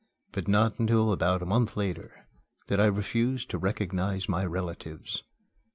But not until about a month later did I refuse to recognize my relatives.